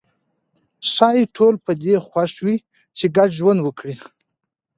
ښايي ټول په دې خوښ وي چې ګډ ژوند وکړي.